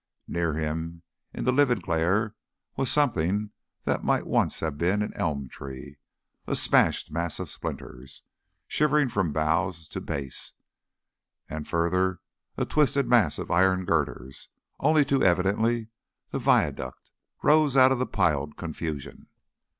Near him in the livid glare was something that might once have been an elm tree, a smashed mass of splinters, shivered from boughs to base, and further a twisted mass of iron girders only too evidently the viaduct rose out of the piled confusion.